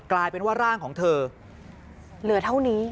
กลายเป็นว่าร่างของเธอเหลือเท่านี้